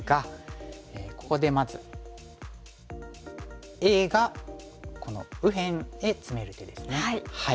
ここでまずＡがこの右辺へツメる手ですね。